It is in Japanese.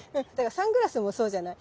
サングラスもそうじゃない。